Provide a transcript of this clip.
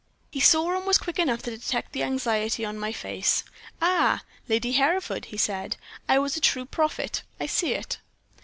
"He saw, and was quick enough to detect the anxiety on my face. "'Ah! Lady Hereford,' he said. 'I was a true prophet I see it.'